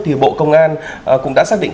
thì bộ công an cũng đã xác định